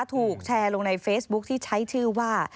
ถูกแชร์ลงในเฟซบุ๊คที่ใช้ชื่อว่า